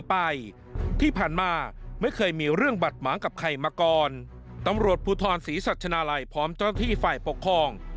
ที่ผ่านมาไม่เคยมีเรื่องบัดหมางกับใครมาก่อนตำรวจภูทรศรีสัชนาลัยพร้อมเจ้าหน้าที่ฝ่ายปกครอง